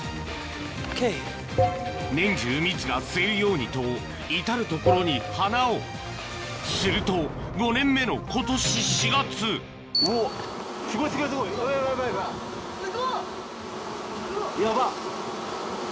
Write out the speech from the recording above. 年中蜜が吸えるようにと至る所に花をすると５年目の今年４月ヤバっ。